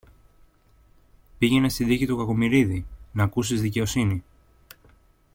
πήγαινε στη δίκη του Κακομοιρίδη, ν' ακούσεις δικαιοσύνη.